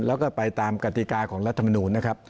แล้วก็ไปตามกติกาของรัฐมนูลนะครับ